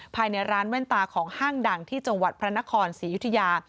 ภายในร้านแว่นตาของห้างดังที่จังหวัดพระนครศรียุธยา